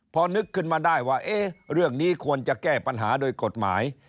พอนึกขึ้นมาได้ว่าเรื่องนี้ควรจะแก้ปัญหาโดยกฎหมาย